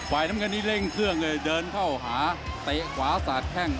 น้ำเงินนี้เร่งเครื่องเลยเดินเข้าหาเตะขวาสาดแข้ง